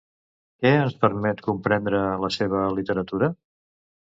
Què ens permet comprendre la seva literatura?